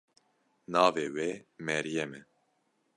Navê wê Meryem e.